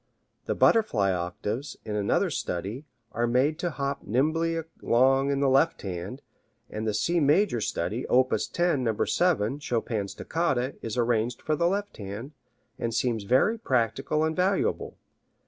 The Butterfly octaves, in another study, are made to hop nimbly along in the left hand, and the C major study, op. 10, No. 7, Chopin's Toccata, is arranged for the left hand, and seems very practical and valuable.